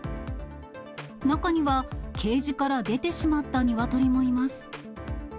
中には、ケージから出てしまったニワトリもいます。